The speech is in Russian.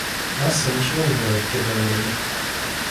Масса ничего не делает преднамеренно.